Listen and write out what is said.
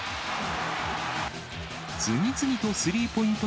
次々とスリーポイント